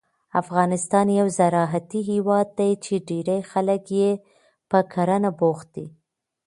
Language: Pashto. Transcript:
افغانستان یو زراعتي هېواد دی چې ډېری خلک یې په کرنه بوخت دي.